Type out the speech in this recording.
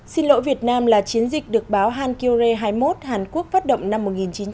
xin lỗi việt nam là chiến dịch được báo hankyore hai mươi một hàn quốc phát động năm một nghìn chín trăm bảy mươi